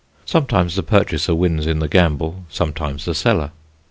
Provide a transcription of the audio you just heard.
Sometimes the purchaser wins in the gamble, sometimes the seller.